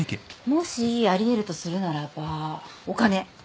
もしあり得るとするならばお金。